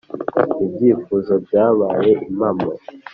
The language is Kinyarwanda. ibyifuzo byabaye impamo,